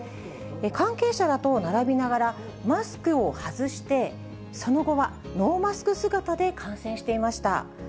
関係者らと並びながら、マスクを外して、その後はノーマスク姿で観戦していました。